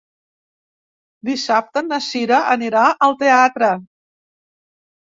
Dissabte na Cira anirà al teatre.